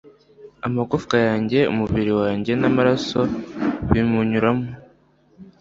Amagufwa yanjye umubiri wanjye namaraso bimunyuramo